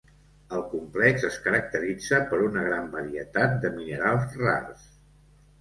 El complex es caracteritza per una gran varietat de minerals rars.